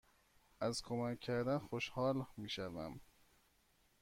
از کمک کردن خوشحال می شوم.